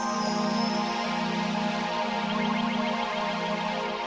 aku butuh sedikit cahaya